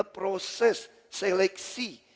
dari proses seleksi